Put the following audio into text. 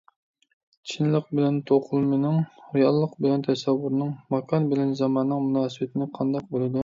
چىنلىق بىلەن توقۇلمىنىڭ، رېئاللىق بىلەن تەسەۋۋۇرنىڭ، ماكان بىلەن زاماننىڭ مۇناسىۋىتىنى قانداق بولىدۇ؟